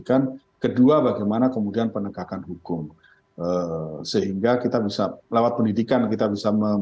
membangun dan memperdua hak hak dengan mengetahui kedua bagaimana kemudian penegakan hukum sehingga kita bisa lauat pendidikan kita bisa memboldingkan lhv